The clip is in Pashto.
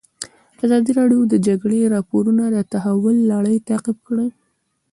ازادي راډیو د د جګړې راپورونه د تحول لړۍ تعقیب کړې.